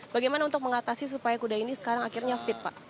bagaimana untuk mengatasi supaya kuda ini sekarang akhirnya fit pak